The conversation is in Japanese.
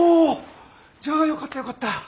じゃあよかったよかった。